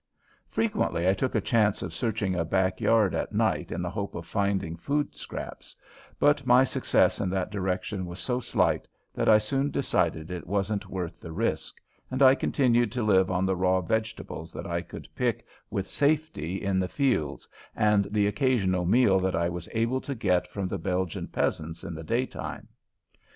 Frequently I took a chance of searching a backyard at night in the hope of finding food scraps, but my success in that direction was so slight that I soon decided it wasn't worth the risk, and I continued to live on the raw vegetables that I could pick with safety in the fields and the occasional meal that I was able to get from the Belgian peasants in the daytime.